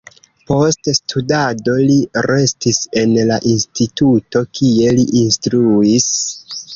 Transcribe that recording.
Post studado li restis en la instituto, kie li instruis.